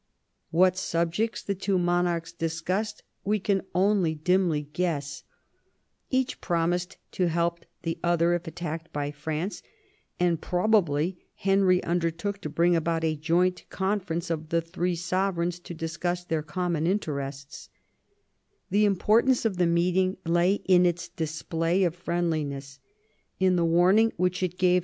What subjects the two monarchs discussed we can only dimly gues& Each promised to help the other if attacked by France, and probably Henry undertook to bring about a joint conference of the three sovereigns to discuss their common interest& The importance of the meeting lay in its display of friendliness; in the warning which it gave 62 THOMAS WOLSEY chap.